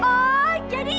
oh jadi itu malingnya